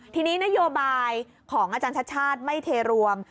ทีนี้นโยบายของอาจารย์ชัดชาติไม่เทรวม